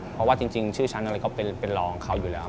เพราะว่าจริงชื่อฉันอะไรก็เป็นรองเขาอยู่แล้ว